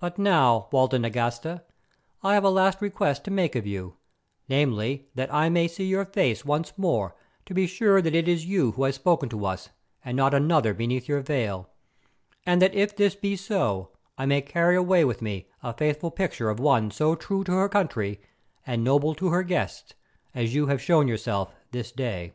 But now, Walda Nagasta, I have a last request to make of you, namely, that I may see your face once more to be sure that it is you who have spoken to us, and not another beneath your veil, and that if this be so, I may carry away with me a faithful picture of one so true to her country and noble to her guests as you have shown yourself this day."